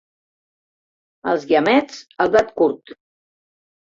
Als Guiamets, el blat curt.